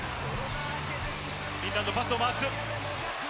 フィンランド、パスを回す。